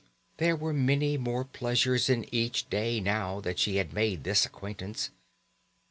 There were many more pleasures in each day now that she had made this acquaintance.